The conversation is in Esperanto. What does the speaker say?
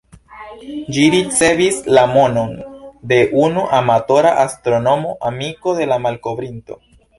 Ĝi ricevis la nomon de unu amatora astronomo, amiko de la malkovrinto.